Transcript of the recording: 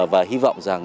và hy vọng rằng